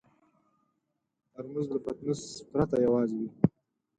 ترموز له پتنوس پرته یوازې وي.